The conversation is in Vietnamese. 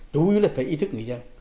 đối với là phải ý thức người dân